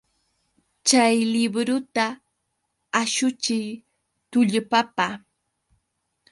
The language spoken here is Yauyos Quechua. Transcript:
Chay libruta ashuchiy tullpapa!